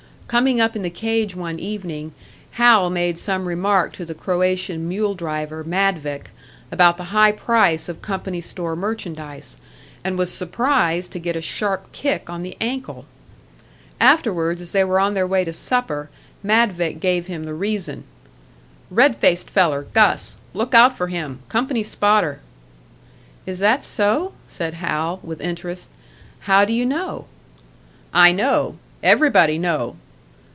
Coming up in the cage one evening, Hal made some remark to the Croatian mule driver, Madvik, about the high price of company store merchandise, and was surprised to get a sharp kick on the ankle. Afterwards, as they were on their way to supper, Madvik gave him the reason. "Red faced feller, Gus. Look out for him company spotter." "Is that so?" said Hal, with interest. "How do you know?" "I know. Everybody know."